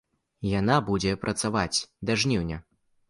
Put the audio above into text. Яна будзе працаваць да жніўня.